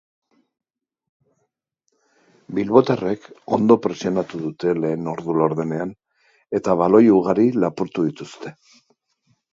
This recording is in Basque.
Bilbotarrek ondo presionatu dute lehen ordu laurdenean, eta baloi ugari lapurtu dituzte.